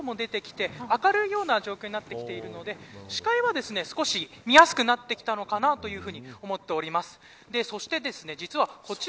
こちらは相変わらず風は強いんですが少し太陽も出てきて明るい状況になってきているので視界は少し見やすくなってきたのかなというふうに思っております。